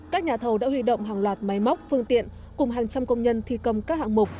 các nhà thầu đã huy động hàng loạt máy móc phương tiện cùng hàng trăm công nhân thi công các hạng mục